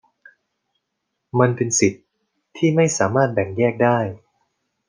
มันเป็นสิทธิที่ไม่สามารถแบ่งแยกได้